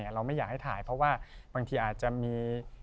เราไม่อยากให้ถ่ายเพราะว่าบางทีอาจจะมี